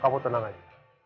kamu tenang aja